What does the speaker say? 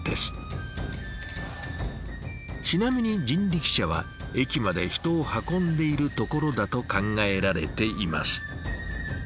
ちなみに人力車は駅まで人を運んでいるところだと考えられています。